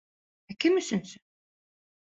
Ә кем өсөнсө?